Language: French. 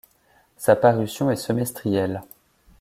Sa parution est semestrielle.